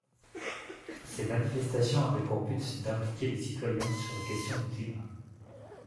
Ces manifestations avaient pour but d'impliquer les citoyens sur la question du climat.